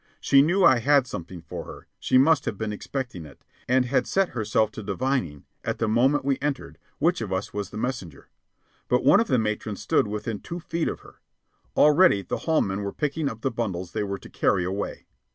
She knew I had something for her; she must have been expecting it, and had set herself to divining, at the moment we entered, which of us was the messenger. But one of the matrons stood within two feet of her. Already the hall men were picking up the bundles they were to carry away.